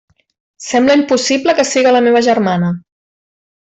Sembla impossible que siga la meua germana!